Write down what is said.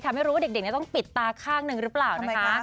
ไม่รู้ว่าเด็กต้องปิดตาข้างหนึ่งหรือเปล่านะคะ